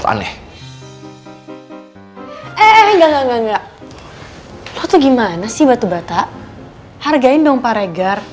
keluar sifat aslinya